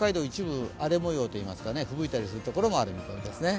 一部、荒れ模様といいますか、ふぶいたりするところもある見込みです。